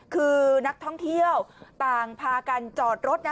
คือนักท่องเที่ยวต่างพากันจอดรถนะ